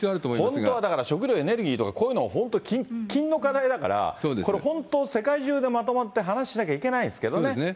本当はだから、食料、エネルギーとかこういうの、本当に喫緊の課題だから、これ、本当、世界中でまとまって話しなきゃいけないんですけどね。